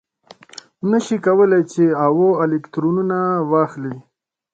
نه شي کولای چې اوه الکترونه واخلي.